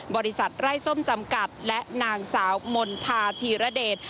บริษัทไร้ส้มจำกัดและนางสาวมณฑาธีรเดช